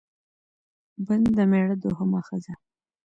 بن د مېړه دوهمه ښځه